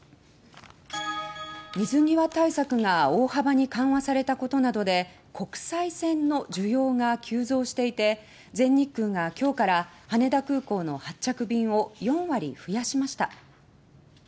水際対策が大幅に緩和されたことなどで国際線の需要が急増していて全日空が今日から羽田空港の発着便を４割増やしました。